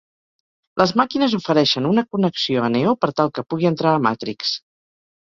Les Màquines ofereixen una connexió a Neo per tal que pugui entrar a Matrix.